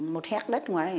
một hét đất ngoài